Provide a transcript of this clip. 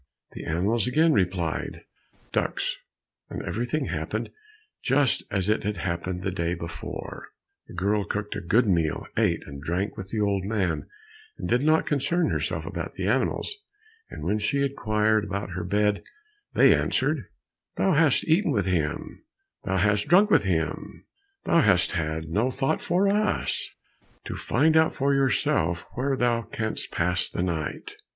The animals again replied "Duks," and everything happened just as it had happened the day before. The girl cooked a good meal, ate and drank with the old man, and did not concern herself about the animals, and when she inquired about her bed they answered, "Thou hast eaten with him, Thou hast drunk with him, Thou hast had no thought for us, To find out for thyself where thou canst pass the night."